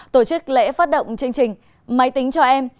tổ chức lễ phát động chương trình máy tính cho em